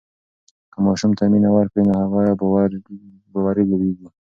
که ماشوم ته مینه ورکړو نو هغه باوري لویېږي.